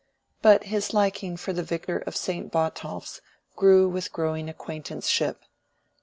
But his liking for the Vicar of St. Botolph's grew with growing acquaintanceship.